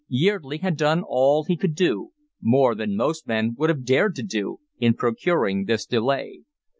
Yeardley had done all he could do, more than most men would have dared to do, in procuring this delay.